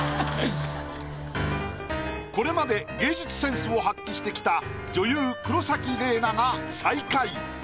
これまで芸術センスを発揮してきた女優黒崎レイナが最下位。